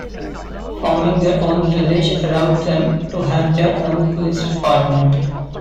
Forming their own village allowed them to have their own police department.